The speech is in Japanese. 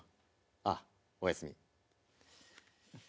ああおやすみ。